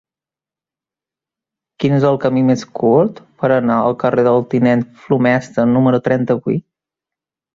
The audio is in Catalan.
Quin és el camí més curt per anar al carrer del Tinent Flomesta número trenta-vuit?